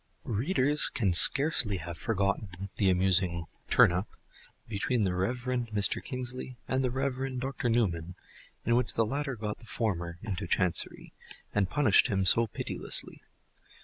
Readers can scarcely have forgotten the amusing "turn up" between the Rev. Mr. Kingsley and the Rev. Dr. Newman, in which the latter got the former "into Chancery," and punished him so pitilessly.